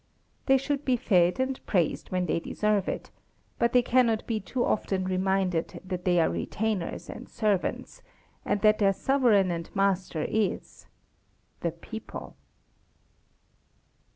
They should be fed and praised when they deserve it, but they cannot be too often reminded that they are retainers and servants, and that their Sovereign and Master is The People.